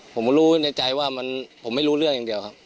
ผมรู้ในใจว่าผมไม่รู้เรื่องอย่างเดียวครับ